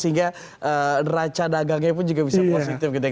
sehingga neraca dagangnya pun juga bisa positif gitu ya